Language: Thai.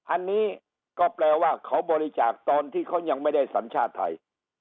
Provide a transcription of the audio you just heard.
อันนี้ก็แปลว่าเขาบริจาคตอนที่เขายังไม่ได้สัญชาติไทย